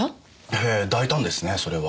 へえ大胆ですねそれは。